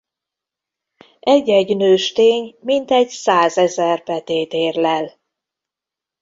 Egy-egy nőstény mintegy százezer petét érlel.